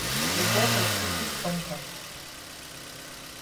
We get for sweep big compound.